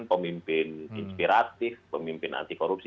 pemimpin inspiratif pemimpin anti korupsi